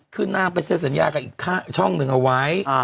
คือนางไปเซ็นสัญญากับอีกช่องหนึ่งเอาไว้